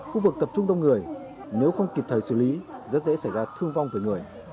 khu vực tập trung đông người nếu không kịp thời xử lý rất dễ xảy ra thương vong về người